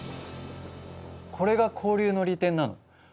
これが交流の利点なの？